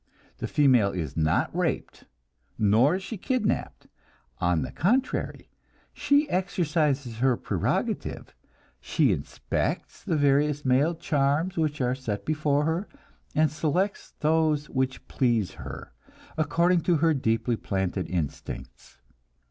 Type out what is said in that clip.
The female is not raped, nor is she kidnapped; on the contrary, she exercises her prerogative, she inspects the various male charms which are set before her, and selects those which please her, according to her deeply planted instincts.